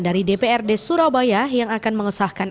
dari dprd surabaya yang akan mengesahkan